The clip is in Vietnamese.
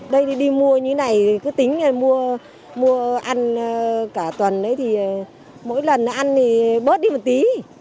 đây thì đi mua như thế này cứ tính mua ăn cả tuần ấy thì mỗi lần ăn thì bớt đi một tí